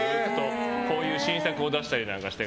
こういう新作を出したりして。